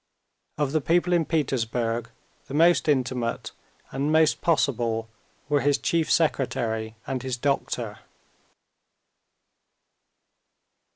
Of the people in Petersburg the most intimate and most possible were his chief secretary and his doctor.